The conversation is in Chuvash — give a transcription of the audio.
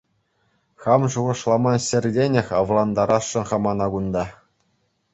Хам шухӑшламан ҫӗртенех авлантарасшӑн-ха мана кунта.